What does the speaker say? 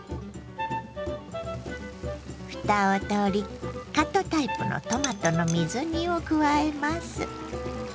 ふたを取りカットタイプのトマトの水煮を加えます。